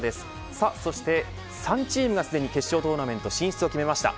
さあそして、３チームがすでに決勝トーナメント進出を決めました。